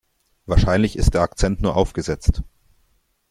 Wahrscheinlich ist der Akzent nur aufgesetzt.